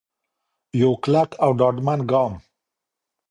یو کلک او ډاډمن ګام.